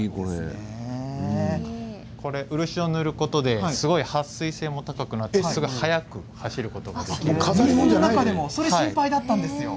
これ漆を塗ることですごくはっ水性も高くなって速く走ることができるんです。